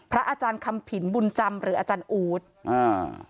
อาจารย์คำผินบุญจำหรืออาจารย์อู๊ดอ่า